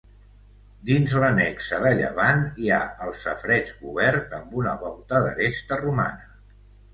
Dins l'annexa de llevant hi ha el safareig cobert amb una volta d'aresta romana.